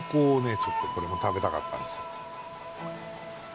ちょっとこれも食べたかったんです。